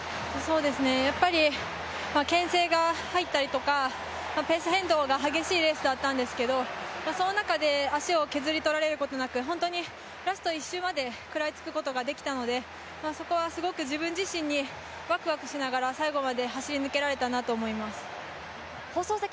やっぱりけん制が入ったりとか、ペース変動が激しいレースだっんたですけれどもその中で足を削り取られることなく、ラスト１周まで食らいつくことができたのでそこはすごく自分自身にワクワクしながら最後まで走り抜けられたなと思います。